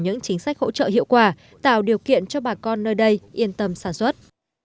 những chính sách hỗ trợ hiệu quả tạo điều kiện cho bà con nơi đây yên tâm sản xuất